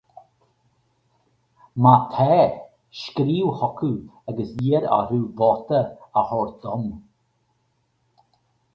Má tá, scríobh chucú agus iarr orthu vóta a thabhairt dom.